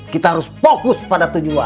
kita harus fokus pada tujuan